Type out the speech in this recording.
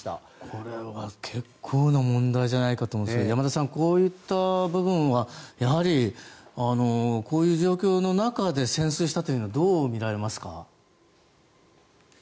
これは結構な問題じゃないかと思うんですが山田さん、こういった部分はこういう状況の中で潜水したというのはどう見られますか？